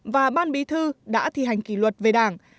và ban bí thư đã thi hành kỷ luật về đảng